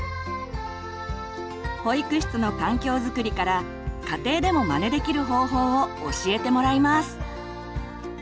保育室の環境づくりから家庭でもまねできる方法を教えてもらいます。